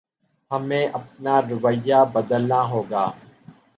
ہمیں اپنا رویہ بدلنا ہوگا